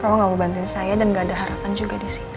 kamu nggak mau bantuin saya dan nggak ada harapan juga disini